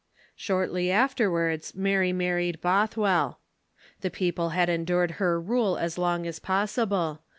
Shortly afterwards Mary married Bothwell, The people had endured her rule as long as possible.